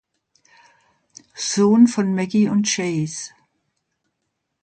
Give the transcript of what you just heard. Sohn von Maggie und Chase.